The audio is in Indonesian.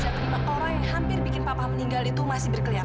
terima orang yang hampir bikin papa meninggal itu masih berkeliaran